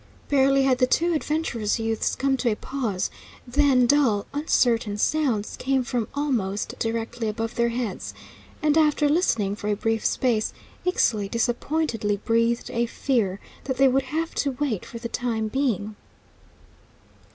Barely had the two adventurous youths come to a pause, than dull, uncertain sounds came from almost directly above their heads; and, after listening for a brief space, Ixtli disappointedly breathed a fear that they would have to wait for the time being.